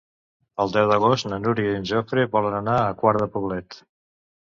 El deu d'agost na Núria i en Jofre volen anar a Quart de Poblet.